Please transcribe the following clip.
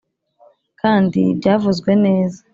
kandi, byavuzwe neza